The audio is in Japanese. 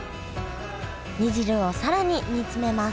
煮汁を更に煮詰めます